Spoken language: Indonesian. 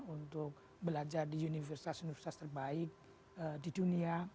untuk belajar di universitas universitas terbaik di dunia